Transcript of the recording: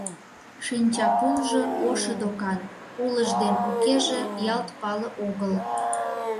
Шинчапунжо ошо докан, улыж ден укеже ялт пале огыл.